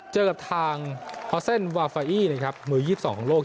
เจอกับทางฮอสเซ็นวาฟาอี้มือ๒๒ของโลก